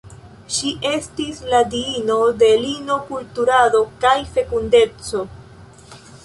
Ŝi estis la diino de lino-kulturado kaj fekundeco.